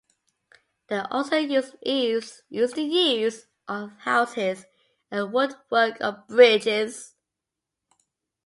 They also use the eaves of houses and wood-work of bridges.